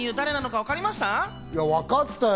わかったよ。